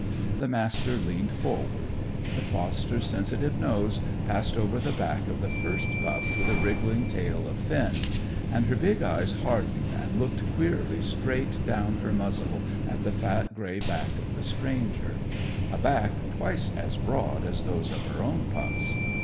The Master leaned forward. The foster's sensitive nose passed over the back of the first pup to the wriggling tail of Finn; and her big eyes hardened and looked queerly straight down her muzzle at the fat grey back of the stranger; a back twice as broad as those of her own pups.